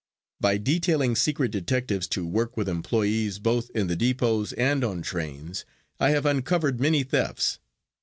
By detailing secret detectives to work with employees, both in the depots and on trains, I have uncovered many thefts.